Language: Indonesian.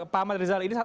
pak menteri zahra